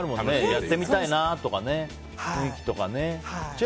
やってみたいなとか雰囲気とかね。